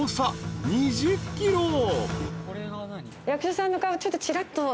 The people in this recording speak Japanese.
役所さんの顔ちょっとちらっと。